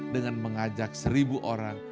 dengan mengajak seribu orang